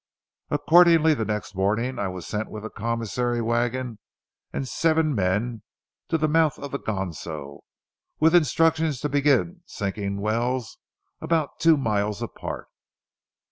Accordingly the next morning, I was sent with a commissary wagon and seven men to the mouth of the Ganso, with instructions to begin sinking wells about two miles apart.